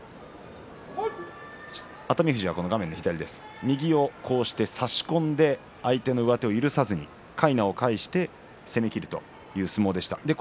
熱海富士は右を差し込んで相手の上手を許さずにかいなを返して攻めきろうという相撲でした。